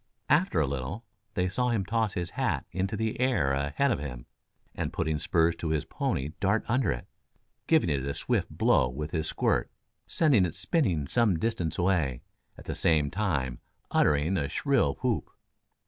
After a little they saw him toss his hat into the air ahead of him, and putting spurs to his pony dart under it, giving it a swift blow with his quirt, sending it spinning some distance away, at the same time uttering a shrill whoop.